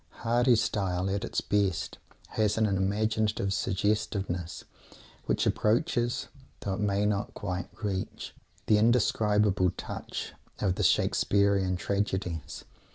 Hardy's style, at its best, has an imaginative suggestiveness which approaches, though it may not quite reach, the indescribable touch of the Shakespearean tragedies.